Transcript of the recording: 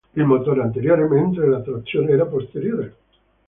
Il motore anteriore, mentre la trazione era posteriore.